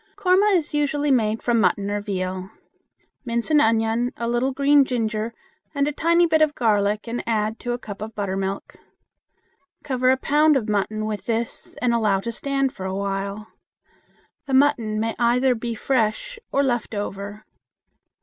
Koorma is usually made from mutton or veal. Mince an onion, a little green ginger, and a tiny bit of garlic and add to a cup of buttermilk. Cover a pound of mutton with this and allow to stand for a while. The mutton may either be fresh or left over.